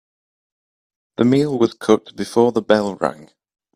The meal was cooked before the bell rang.